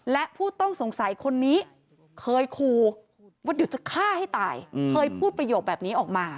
และผู้ต้องสงสัยคนนี้